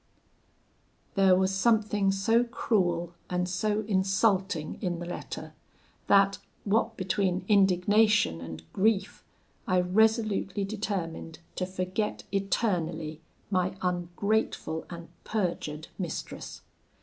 "There was something so cruel and so insulting in the letter, that, what between indignation and grief, I resolutely determined to forget eternally my ungrateful and perjured mistress.